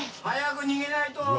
早く逃げないと！